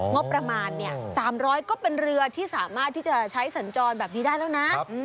งบประมาณ๓๐๐ก็เป็นเรือที่สามารถที่จะใช้สัญจรแบบนี้ได้แล้วนะ